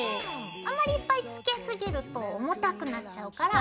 あまりいっぱいつけすぎると重たくなっちゃうから。